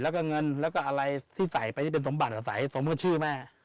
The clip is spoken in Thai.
แล้วก็เงินแล้วก็อะไรที่ใส่ไปที่เป็นสมบัติอาศัยสมมุติชื่อแม่